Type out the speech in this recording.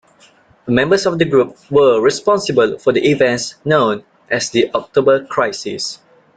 Members of the group were responsible for the events known as the October Crisis.